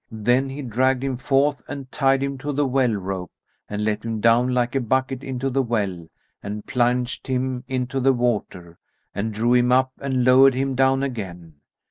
Then he dragged him forth and tied him to the well rope, and let him down like a bucket into the well and plunged him into the water, then drew him up and lowered him down again.